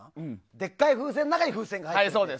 でかい風船の中に風船が入ってて。